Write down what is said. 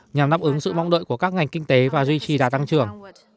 nhằm nắp ứng sự mong đợi của các ngành kinh tế và duy trì đạt tăng trưởng